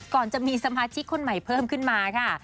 ก่อนจะมีสมาชิกคนใหม่เพิ่มขึ้นมาค่ะ